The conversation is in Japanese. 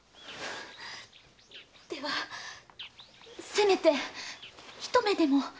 ではせめてひと目でも。